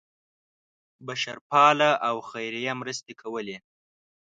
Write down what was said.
بشرپاله او خیریه مرستې کولې.